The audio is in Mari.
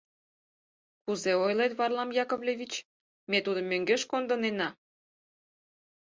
— Кузе ойлет, Варлам Яковлевич, ме тудым мӧҥгеш кондынена?